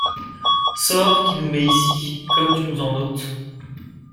Sort, qui nous mets ici, comme tu nous en ôtes!